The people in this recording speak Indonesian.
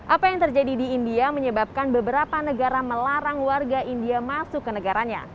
apa yang terjadi di india menyebabkan beberapa negara melarang warga india masuk ke negaranya